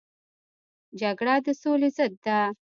جګړه د سولې ضد ده